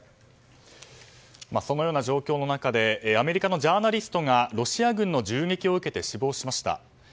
そのような状況の中でアメリカのジャーナリストがロシア軍の銃撃を受けて死亡しました。